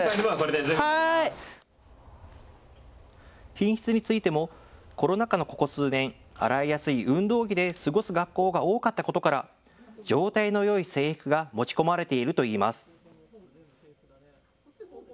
品質についてもコロナ禍のここ数年、洗いやすい運動着で過ごす学校が多かったことから状態のよい制服が持ち込まれているといいます。